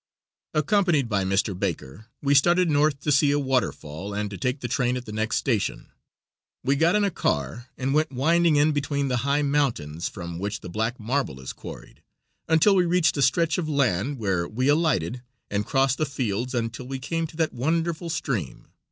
Accompanied by Mr. Baker, we started north to see a waterfall, and to take the train at the next station. We got in a car and went winding in between the high mountains from which the black marble is quarried until we reached a stretch of land, where we alighted and crossed the fields until we came to that wonderful stream.